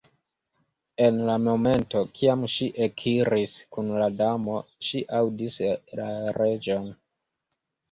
En la momento kiam ŝi ekiris kun la Damo, ŝi aŭdis la Reĝon.